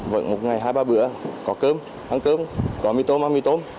vẫn một ngày hai ba bữa có cơm ăn cơm có mì tôm ăn mì tôm